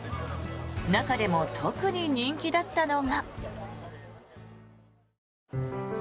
中でも特に人気だったのが。